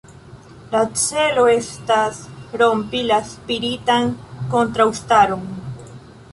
La celo estas rompi la spiritan kontraŭstaron.